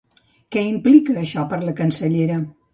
Què implica això per la cancellera?